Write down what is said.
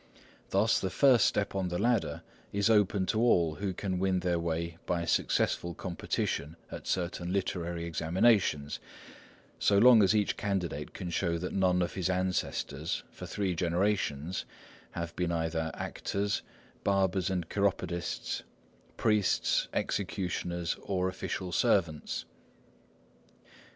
Thus, the first step on the ladder is open to all who can win their way by successful competition at certain literary examinations, so long as each candidate can show that none of his ancestors for three generations have been either actors, barbers and chiropodists, priests, executioners, or official servants.